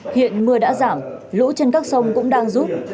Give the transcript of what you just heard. hiện mưa đã giảm lũ trên các sông cũng đang rút